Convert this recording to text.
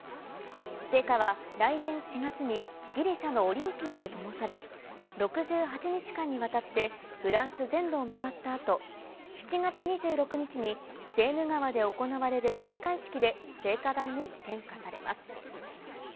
聖火は来年４月に、ギリシャのオリンピアでともされ、６８日間にわたってフランス全土を回ったあと、７月２６日にセーヌ川で行われる開会式で聖火台に点火されます。